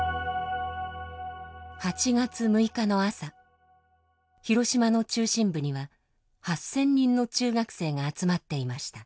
８月６日の朝広島の中心部には８，０００人の中学生が集まっていました。